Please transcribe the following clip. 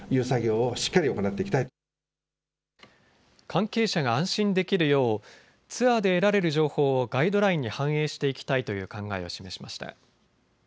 関係者が安心できるようツアーで得られる情報をガイドラインに反映していきたいという考えを示しました。